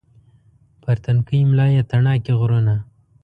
پر تنکۍ ملا یې تڼاکې غرونه